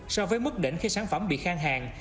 so với mức đỉnh khi sản phẩm bị khang hàng